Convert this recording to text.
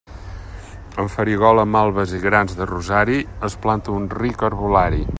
Amb farigola, malves i grans de rosari, es planta un ric herbolari.